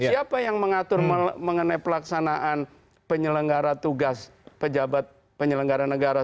siapa yang mengatur mengenai pelaksanaan penyelenggara tugas pejabat penyelenggara negara